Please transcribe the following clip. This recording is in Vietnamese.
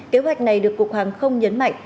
kế hoạch này được cục hàng không nhấn mạnh